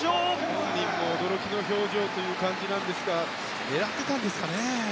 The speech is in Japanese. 本人も驚きの表情なんですが狙っていたんですかね。